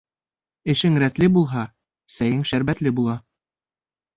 Эшең рәтле булһа, сәйең шәрбәтле була.